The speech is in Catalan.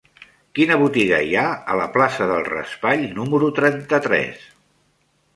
Quina botiga hi ha a la plaça del Raspall número trenta-tres?